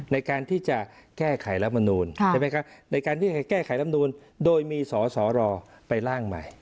ในการที่จะแก้ไขรัฐบนูนในการที่จะแก้ไขรัฐบนูนโดยมีสรไปล่างใหม่